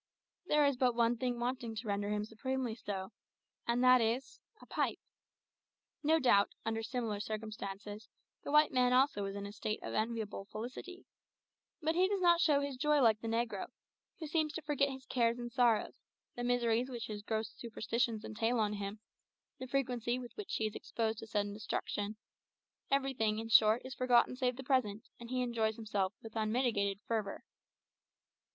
There is but one thing wanting to render him supremely so, and that is a pipe! No doubt, under similar circumstances, the white man also is in a state of enviable felicity, but he does not show his joy like the negro, who seems to forget his cares and sorrows, the miseries which his gross superstitions entail on him, the frequency with which he is exposed to sudden destruction; everything, in short, is forgotten save the present, and he enjoys himself with unmitigated fervour.